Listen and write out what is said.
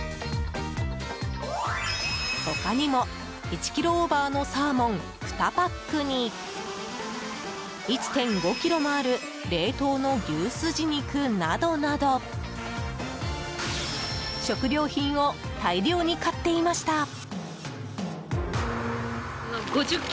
他にも、１ｋｇオーバーのサーモン２パックに１．５ｋｇもある冷凍の牛すじ肉などなど食料品を大量に買っていました。